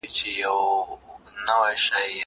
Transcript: زه پرون اوبه پاکوم!؟